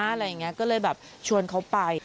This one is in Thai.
อะไรอย่างนี้ก็เลยแบบชวนเขาไป